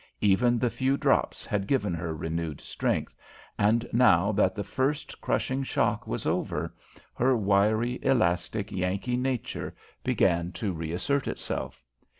Even the few drops had given her renewed strength, and, now that the first crushing shock was over, her wiry, elastic, Yankee nature began to reassert itself.